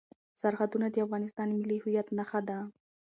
سرحدونه د افغانستان د ملي هویت نښه ده.